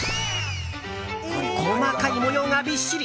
細かい模様がびっしり。